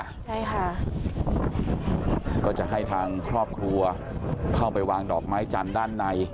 เข้าสู่เตาเผาในเมนแล้วใช่ค่ะก็จะให้ทางครอบครัวเข้าไปวางดอกไม้จันทร์ด้านใน